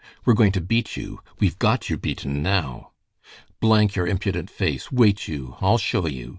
We're going to beat you. We've got you beaten now." "Blank your impudent face! Wait you! I'll show you!"